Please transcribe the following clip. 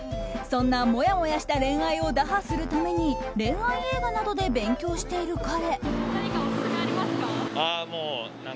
そんな、もやもやした恋愛を打破するために恋愛映画などで勉強している彼。